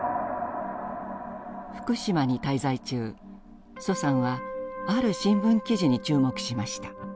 福島に滞在中徐さんはある新聞記事に注目しました。